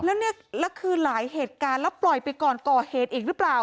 แล้วเนี่ยแล้วคือหลายเหตุการณ์แล้วปล่อยไปก่อนก่อเหตุอีกหรือเปล่า